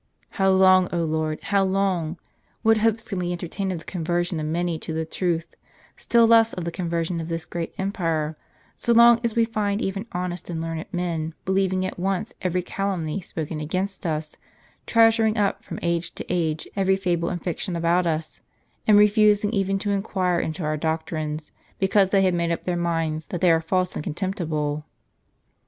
"How long, 0 Lord! how long? What hopes can we entertain of the conversion of many to the truth, still less of the conversion of this great empire, so long as we find even honest and learned men believing at once every calumny spoken against us ; treasuring up, from age to age, every fable and fiction about us ; and refusing even to inquire into our doctrines, because they have made up their minds that they are false and contemptible?